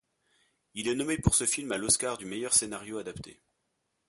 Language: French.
Il est nommé pour ce film à l'Oscar du meilleur scénario adapté.